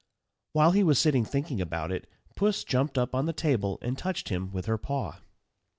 While he was sitting thinking about it, Puss jumped up on the table, and touched him with her paw.